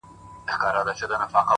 وخت د بېتوجهۍ تاوان هېڅکله نه بښي!